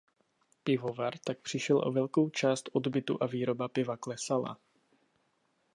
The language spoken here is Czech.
Pivovar tak přišel o velkou část odbytu a výroba piva klesala.